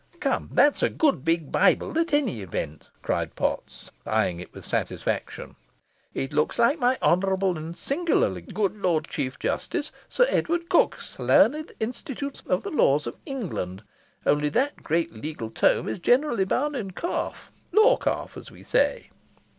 "Come, that's a good big Bible at all events," cried Potts, eyeing it with satisfaction. "It looks like my honourable and singular good Lord Chief Justice Sir Edward Coke's learned 'Institutes of the Laws of England,' only that that great legal tome is generally bound in calf law calf, as we say."